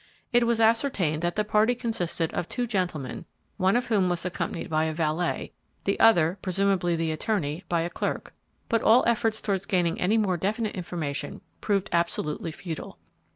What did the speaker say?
It was ascertained that the party consisted of two gentlemen, one of whom was accompanied by a valet, the other presumably the attorney by a clerk, but all efforts towards gaining any more definite information prove absolutely futile.